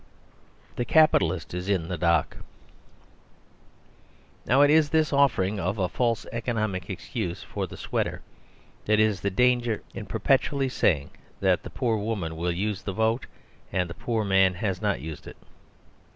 The Capitalist Is in the Dock Now it is this offering of a false economic excuse for the sweater that is the danger in perpetually saying that the poor woman will use the vote and that the poor man has not used it.